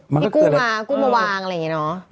มันก็เป็นอะไรกุ้งมากุ้งมาวางอะไรงี้เนอะ